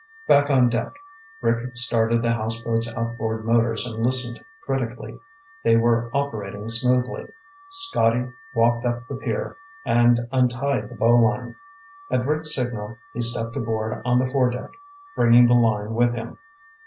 Back on deck, Rick started the houseboat's outboard motors and listened critically. They were operating smoothly. Scotty walked up the pier and untied the bowline. At Rick's signal, he stepped aboard on the foredeck, bringing the line with him.